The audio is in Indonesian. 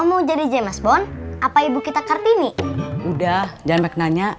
udah jangan baik nanya